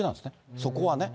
そこはね。